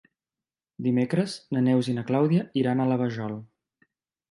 Dimecres na Neus i na Clàudia iran a la Vajol.